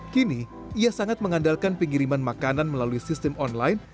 kini ia sangat mengandalkan pengiriman makanan melalui sistem online